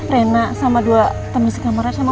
rena sama dua teman di kamar sama buah rina